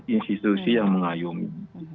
institusi yang mengayungi